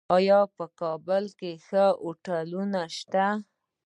آیا په کابل کې ښه هوټلونه شته؟